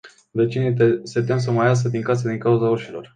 Vecinii se tem să mai iasă din casă din cauza urșilor.